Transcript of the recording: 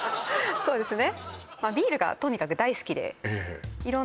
そうですね